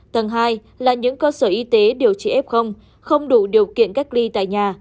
tầng hai là những cơ sở y tế điều trị f không đủ điều kiện cách ly tại nhà